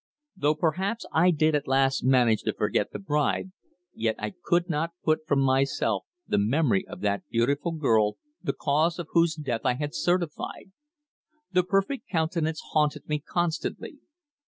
Though perhaps I did at last manage to forget the bribe, yet I could not put from myself the memory of that beautiful girl, the cause of whose death I had certified. The perfect countenance haunted me constantly.